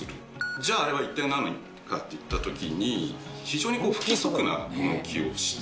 じゃあ、あれは一体なんなのかといったときに、非常に不規則な動きをして